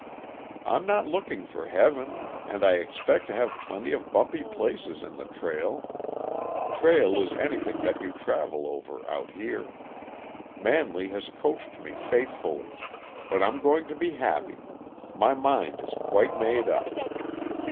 I'm not looking for heaven, and I expect to have plenty of bumpy places in the trail trail is anything that you travel over, out here; Manley has coached me faithfully but I'm going to be happy. My mind is quite made up.